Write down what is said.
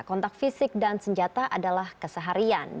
kontak fisik dan senjata adalah keseharian